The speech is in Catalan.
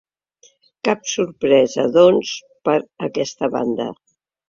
Cap sorpresa, doncs, per aquesta banda.